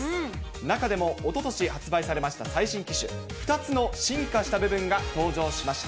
中でも、おととし発売されました最新機種、２つの進化した部分が登場しました。